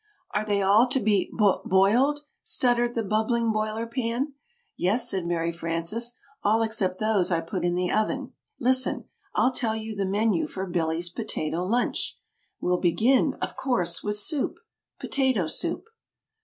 "Are they all to be boi boiled?" stuttered the bubbling Boiler Pan. "Yes," said Mary Frances, "all except those I put in the oven. Listen! I'll tell you the menu for Billy's Potato Lunch. We'll begin, of course, with soup Potato Soup."